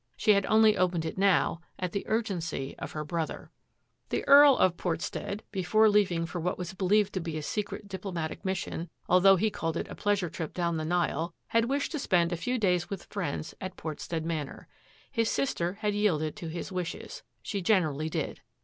She had only opened it now at the urgency of her brother. . 4 THAT AFFAIR AT THE MANOB The Earl of Portstead, before leaving for was believed to be a secret diplomatic m: although he called it a pleasure trip dow Nile, had wished to spend a few days with f at Portstead Manor. His sister had yield his wishes. She generaUy did.